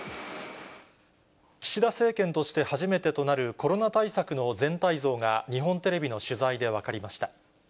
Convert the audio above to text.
岸田政権として初めてとなる、コロナ対策の全体像が日本テレビの取材で分かりました。